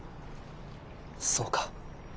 そうか。